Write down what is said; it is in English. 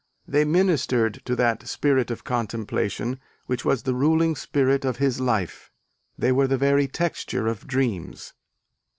They ministered to that spirit of contemplation which was the ruling spirit of his life: they were the very texture of dreams....